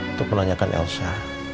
untuk menanyakan elsa